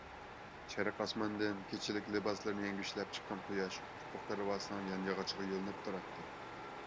شەرق ئاسمىنىدىن كېچىلىك لىباسلىرىنى يەڭگۈشلەپ چىققان قۇياش ئۇپۇق دەرۋازىسىنىڭ يان ياغىچىغا يۆلىنىپ تۇراتتى.